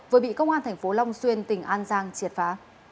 vừa bị công an tp long xuyên tỉnh an giang triệt phá